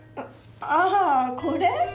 ああこれ？